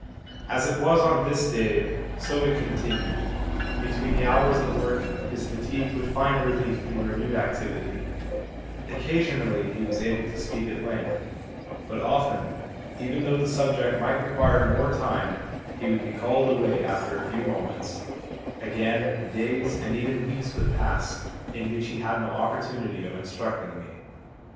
As it was on this day, so it continued ; between the hours of work, his fatigue would find relief in renewed activity ; occasionally he was able to speak at length ; but often, even though the subject might require more time, he would be called away after a few moments ; again, days and even weeks would pass, in which he had no opportunity of instructing me.